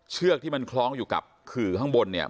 เชือกที่มันคล้องอยู่กับขื่อข้างบนเนี่ย